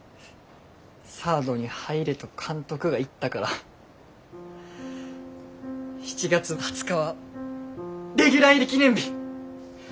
サードに入れと監督が言ったから７月２０日はレギュラー入り記念日！